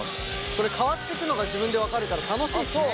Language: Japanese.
これ変わっていくのが自分で分かるから楽しいですね